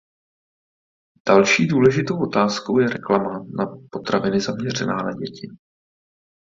Další důležitou otázkou je reklama na potraviny zaměřená na děti.